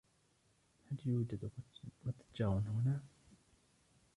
هل يوجد متجر هنا ؟